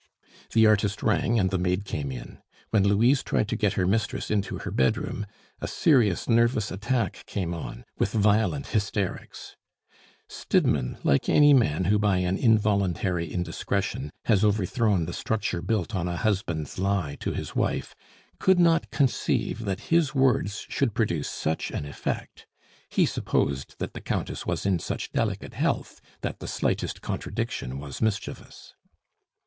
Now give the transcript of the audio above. The artist rang, and the maid came in. When Louise tried to get her mistress into her bedroom, a serious nervous attack came on, with violent hysterics. Stidmann, like any man who by an involuntary indiscretion has overthrown the structure built on a husband's lie to his wife, could not conceive that his words should produce such an effect; he supposed that the Countess was in such delicate health that the slightest contradiction was mischievous.